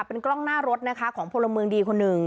เป็นกล้องหน้ารถนะคะของพลเมืองดีคนหนึ่ง